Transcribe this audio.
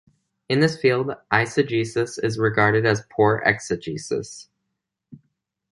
In this field, eisegesis is regarded as poor exegesis.